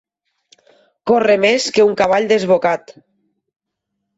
Córrer més que un cavall desbocat.